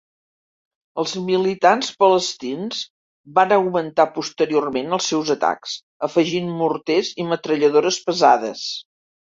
Els militants palestins van augmentar posteriorment els seus atacs, afegint morters i metralladores pesades.